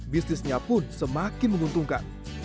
bisnisnya pun semakin menguntungkan